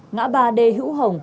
ngã ba d hữu hồng